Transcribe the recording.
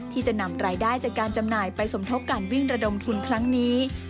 ที่จะนำรายได้จากการจำหน่ายไปสมทบการวิ่งระดมทุนครั้งนี้